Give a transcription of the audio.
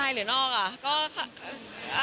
๊ายหรือนอกโครงการคะ